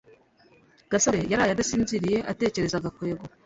gasore yaraye adasinziriye atekereza gakwego